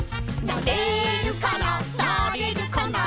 なれるかな？」